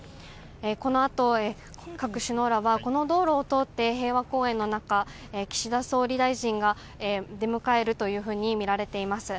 このあと、各首脳らはこの道路を通って平和公園の中、岸田総理大臣が出迎えるというふうにみられています。